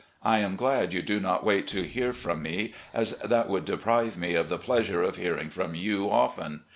I am glad you do not wait to hear from me, as that would deprive me of the pleasure of hearing from you often.